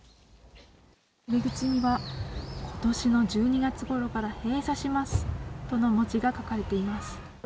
入り口には、ことしの１２月ごろから閉鎖しますとの文字が書かれています。